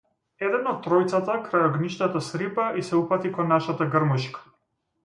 Еден од тројцата крај огништето срипа и се упати кон нашата грмушка.